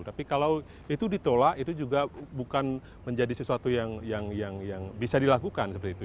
tapi kalau itu ditolak itu juga bukan menjadi sesuatu yang bisa dilakukan seperti itu